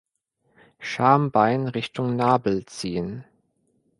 Schambein Richtung Nabel ziehen.